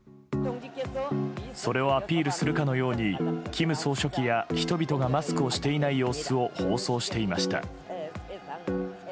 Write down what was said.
それはアピールするかのように金総書記や人々がマスクをしていない様子を放送していました。